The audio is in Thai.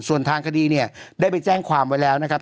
ส่วนทางคดีเนี่ยได้ไปแจ้งความไว้แล้วนะครับ